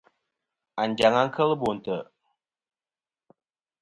Anjaŋ-a kel Bo ntè'.